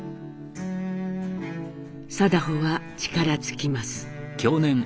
禎穗は力尽きます。